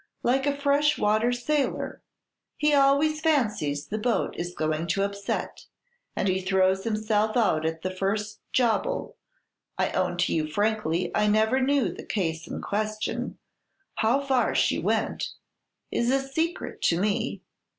Like a fresh water sailor, he always fancies the boat is going to upset, and he throws himself out at the first 'jobble'! I own to you frankly, I never knew the case in question; 'how far she went,' is a secret to me.